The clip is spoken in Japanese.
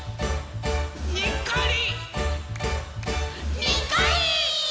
「にっこり！」